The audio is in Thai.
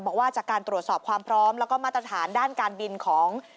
บอกว่าจากการตรวจสอบความพร้อมแล้วก็มาตรฐานด้านการบินของ